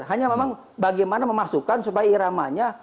hanya memang bagaimana memasukkan supaya iramanya